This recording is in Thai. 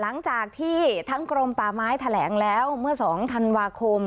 หลังจากที่ทั้งกรมป่าไม้แถลงแล้วเมื่อ๒ธันวาคม